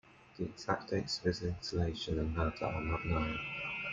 The exact dates of his installation and murder are not known.